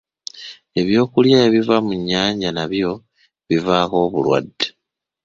Ebyokulya ebiva mu nnyanja nabyo bivaako obulwadde.